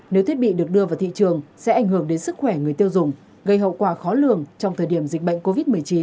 nếu thiết bị được đưa vào thị trường sẽ ảnh hưởng đến sức khỏe người tiêu dùng gây hậu quả khó lường trong thời điểm dịch bệnh covid một mươi chín